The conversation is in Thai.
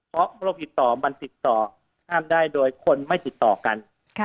เพราะโรคติดต่อมันติดต่อห้ามได้โดยคนไม่ติดต่อกัน